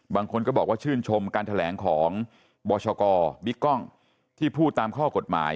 บางคนก็บอกว่าชื่นชมการแถลงของบชกบิ๊กกล้องที่พูดตามข้อกฎหมาย